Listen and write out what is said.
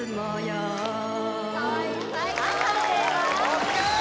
ＯＫ